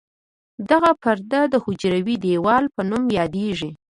دغه پرده د حجروي دیوال په نوم یادیږي.